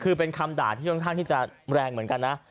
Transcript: คือเป็นคำด่าที่ค่อนข้างที่จะแรงเหมือนกันนะ